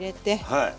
はい。